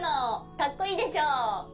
かっこいいでしょ。